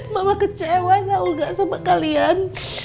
mama kecewaogak sama kalian